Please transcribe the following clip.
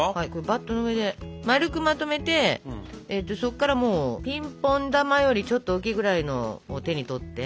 バットの上で丸くまとめてそっからもうピンポン球よりちょっと大きいぐらいのを手に取って。